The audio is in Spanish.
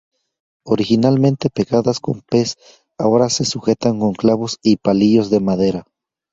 Originalmente pegadas con pez, ahora se sujetan con clavos y palillos de madera.